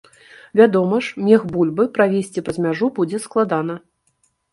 Вядома ж, мех бульбы правезці праз мяжу будзе складана.